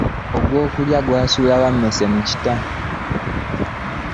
Ogw'okulya gwasuula wammese mu kita .